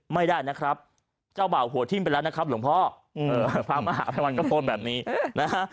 ไม่ได้นะครับเจ้าบ่าวหัวทิ้มไปแล้วนะครับหลวงพ่อเออพระมหาภัยวันก็โพสต์แบบนี้นะฮะ